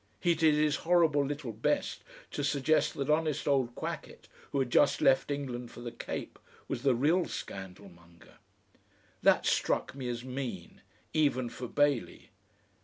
He did his horrible little best to suggest that honest old Quackett, who had just left England for the Cape, was the real scandalmonger. That struck me as mean, even for Bailey.